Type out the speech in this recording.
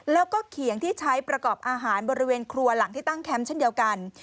แล้วก็เขียงที่ใช้ประกอบอาหารบริเวณครัวหลังที่ตั้งแคมป์เช่นเดียวกัน